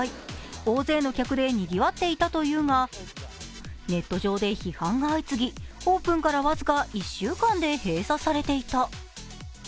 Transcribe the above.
大勢の客でにぎわっていたというが、ネット上で批判が相次ぎオープンから僅か１週間で閉鎖されていた。